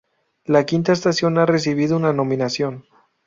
La Quinta Estación ha recibido una nominación.